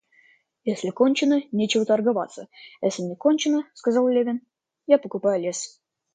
Если кончено, нечего торговаться, а если не кончено, — сказал Левин, — я покупаю лес.